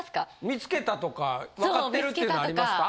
見つけたとか分かってるっていうのありますか？